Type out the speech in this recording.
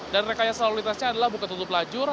dan rekayasa laluritasnya adalah buka tutup lajur